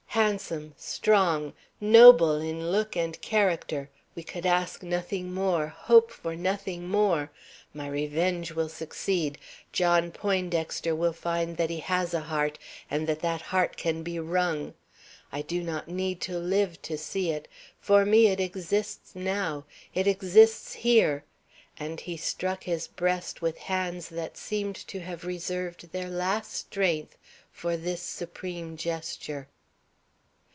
Handsome, strong, noble in look and character, we could ask nothing more, hope for nothing more. My revenge will succeed! John Poindexter will find that he has a heart, and that that heart can be wrung. I do not need to live to see it. For me it exists now; it exists here!" And he struck his breast with hands that seemed to have reserved their last strength for this supreme gesture.